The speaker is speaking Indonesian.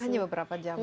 hanya beberapa jam